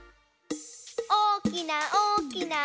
おおきなおおきな